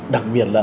đặc biệt là